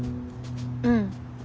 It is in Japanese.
うん。